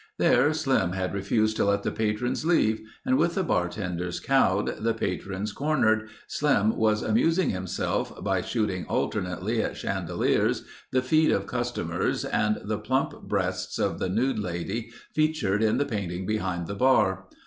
There Slim had refused to let the patrons leave and with the bartenders cowed, the patrons cornered, Slim was amusing himself by shooting alternately at chandeliers, the feet of customers and the plump breasts of the nude lady featured in the painting behind the bar.